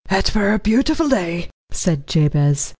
"It were a beautiful day," said Jabez.